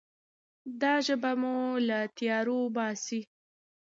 دا ژبه مو له تیارو باسي.